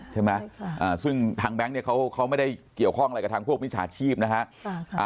ใช่ไหมซึ่งทางแบงค์เนี่ยเขาไม่ได้เกี่ยวข้องอะไรกับทางพวกมิจฉาชีพนะฮะ